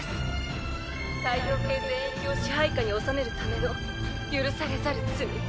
「太陽系全域を支配下に収めるための許されざる罪」